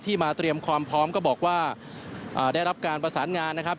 มาเตรียมความพร้อมก็บอกว่าได้รับการประสานงานนะครับ